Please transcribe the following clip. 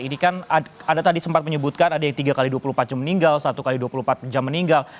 ini kan anda tadi sempat menyebutkan ada yang tiga x dua puluh empat jam meninggal satu x dua puluh empat jam meninggal